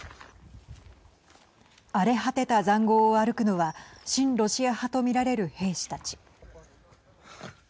荒れ果てた、ざんごうを歩くのは親ロシア派と見られる兵士たち。